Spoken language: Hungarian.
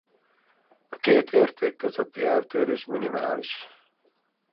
A két érték közötti eltérés minimális.